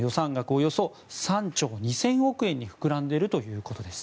およそ３兆２０００億円に膨らんでいるということです。